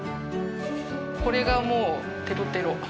これがもうテロテロ。